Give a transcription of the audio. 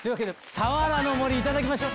サワラの森いただきましょう！